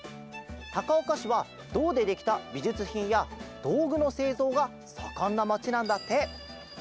たかおかしはどうでできたびじゅつひんやどうぐのせいぞうがさかんなまちなんだって。